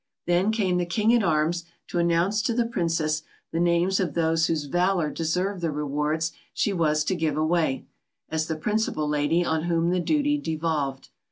Then came the king at arms to announce to the Princess the names of those whose valor deserved the rewards she was to give away, as the principal lady on whom the duty devolved.